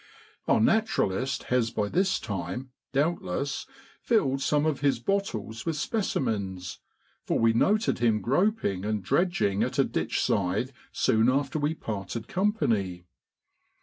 Our naturalist has by this time, doubtless, filled some of his bottles with specimens, for we noted him groping and dredging at a ditchside soon after we parted com pany.